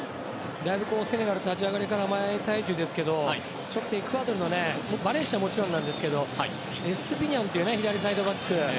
だいぶセネガル立ち上がりから前体重ですがエクアドルのバレンシアはもちろんなんですけどもエストゥピニャンという左サイドバック。